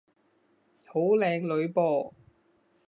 好靚女噃